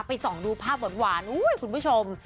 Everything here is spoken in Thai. ส่องดูภาพหวานคุณผู้ชม